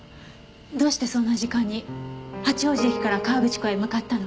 どうしてそんな時間に八王子駅から河口湖へ向かったの？